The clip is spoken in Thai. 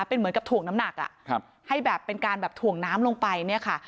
เป็นเหมือนกับถ่วงน้ำหนักให้แบบเป็นการแบบถ่วงน้ำลงไปเนี่ยค่ะ